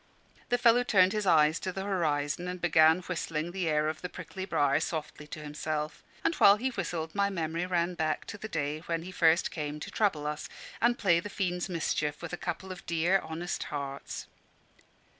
The fellow turned his eyes to the horizon, and began whistling the air of "The Prickly Briar" softly to himself. And while he whistled, my memory ran back to the day when he first came to trouble us, and play the fiend's mischief with a couple of dear honest hearts.